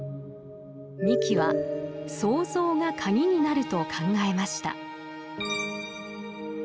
三木は「創造」が鍵になると考えました。